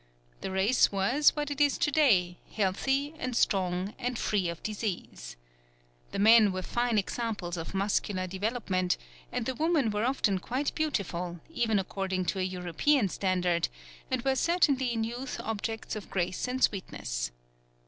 The race was what it is to day, healthy and strong and free of disease. The men were fine examples of muscular development, and the women were often quite beautiful, even according to a European standard, and were certainly in youth objects of grace and sweetness.